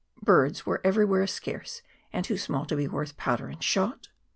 Birds are everywhere scarce, and too small to be worth powder and shot.